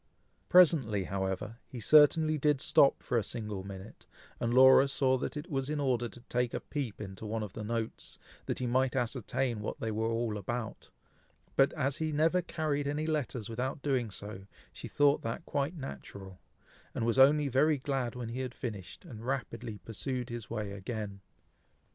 Presently, however, he certainly did stop for a single minute, and Laura saw that it was in order to take a peep into one of the notes, that he might ascertain what they were all about; but as he never carried any letters without doing so, she thought that quite natural, and was only very glad when he had finished, and rapidly pursued his way again.